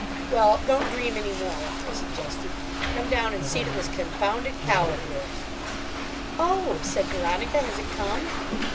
"Well, don't dream any more," I suggested. "Come down and see to this confounded cow of yours." "Oh," said Veronica, "has it come?"